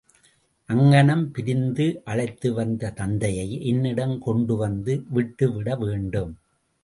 அங்ஙனம் பிரித்து அழைத்துவந்த தத்தையை, என்னிடம் கொண்டுவந்து விட்டுவிடவேண்டும்.